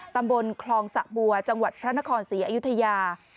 ตำบลคลองสะบัวจังหวัดพระนครศรีอยุธยา